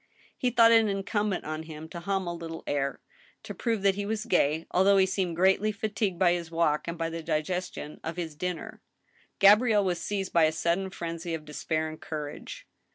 He thought it incumbent on him to hum a little air, to prove that he was gay, although he seemed greatly fatigued by his walk and by the digestion of his dinner. Gabrielle was seized by a sudden frenzy of despair and courage.